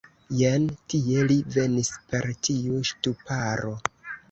Jen tie, li venis per tiu ŝtuparo.